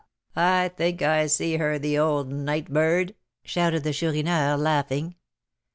I think I see her, the old night bird!" shouted the Chourineur, laughing.